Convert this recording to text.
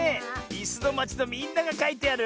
「いすのまち」のみんながかいてある！